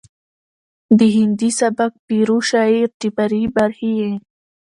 د هندي سبک پيرو شاعر چې فرعي برخې يې